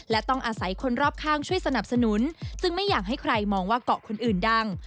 และต้องอาศัยคนรอบข้างช่วยสนับสนุนซึ่งไม่อยากให้ใครมองว่าเกาะคนอื่นดัง